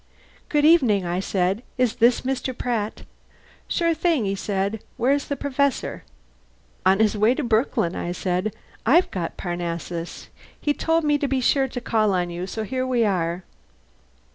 "Good evening!" I said. "Is this Mr. Pratt?" "Sure thing!" said he. "Where's the Perfessor?" "On his way to Brooklyn," said I. "And I've got Parnassus. He told me to be sure to call on you. So here we are."